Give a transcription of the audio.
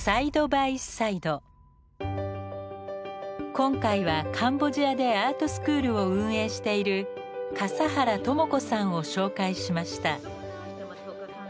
今回はカンボジアでアートスクールを運営している笠原知子さんを紹介しました。